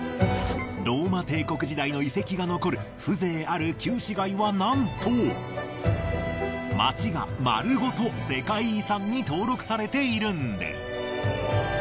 ローマ帝国時代の遺跡が残る風情ある旧市街はなんと街が丸ごと世界遺産に登録されているんです。